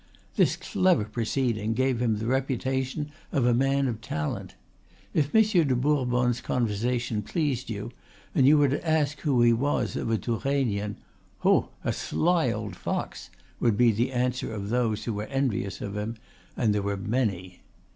This clever proceeding gave him the reputation of a man of talent. If Monsieur de Bourbonne's conversation pleased you and you were to ask who he was of a Tourainean, "Ho! a sly old fox!" would be the answer of those who were envious of him and they were many.